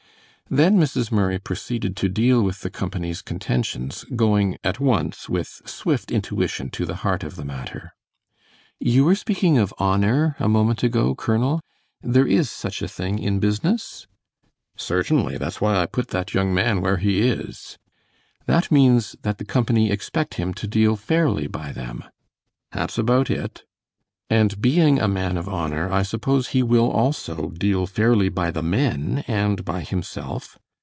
Then Mrs. Murray proceeded to deal with the company's contentions, going at once with swift intuition to the heart of the matter. "You were speaking of honor a moment ago, Colonel. There is such a thing in business?" "Certainly, that's why I put that young man where he is." "That means that the company expect him to deal fairly by them." "That's about it." "And being a man of honor, I suppose he will also deal fairly by the men and by himself."